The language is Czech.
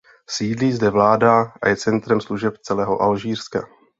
Sídlí zde vláda a je centrem služeb celého Alžírska.